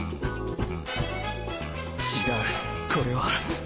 違うこれは。